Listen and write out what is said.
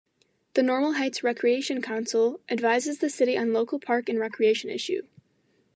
The Normal Heights Recreation Council advises the city on local park and recreation issue.